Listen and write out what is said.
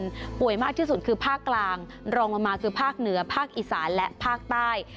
ป่วยมากที่สุดคือภาคกลางรองลงมาคือภาคเหนือภาคอีสานและภาคใต้